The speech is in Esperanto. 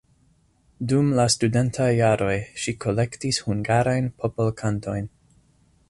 Dum la studentaj jaroj ŝi kolektis hungarajn popolkantojn.